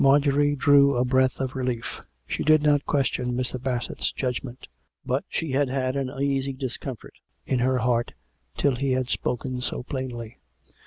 Marjorie drew a breath of relief. She did not question Mr. Bassett's judgment. But she had had an uneasy dis comfort in her heart till he had spoken so plainly.